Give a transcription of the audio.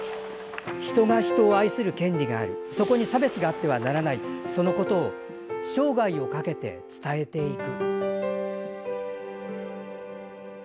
「人は人を愛する権利があるそこに差別はあってはならない」「そのことを生涯をかけて伝えていく」。